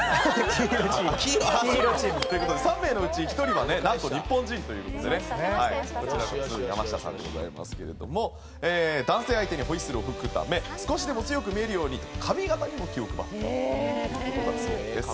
違う違う黄色チーム。という事で３名のうち１人はねなんと日本人という事でねこちらの山下さんでございますけれども男性相手にホイッスルを吹くため少しでも強く見えるように髪形にも気を配っているという事だそうです。